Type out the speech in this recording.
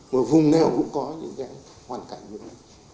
một vùng nào cũng có những hoàn cảnh như thế này